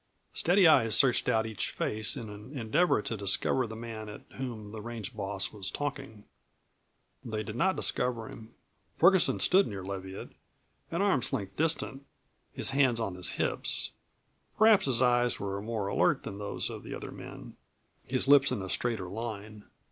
Steady eyes searched out each face in an endeavor to discover the man at whom the range boss was talking. They did not discover him. Ferguson stood near Leviatt, an arm's length distant, his hands on his hips. Perhaps his eyes were more alert than those of the other men, his lips in a straighter line.